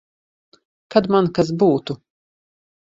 Kad man kas būtu.